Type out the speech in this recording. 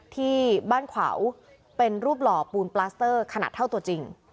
ที่บ้านขวาวเป็นรูปหล่อปูนปลาสเตอร์ขนาดเท่าตัวจริง